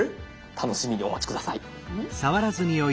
楽しみにお待ち下さい。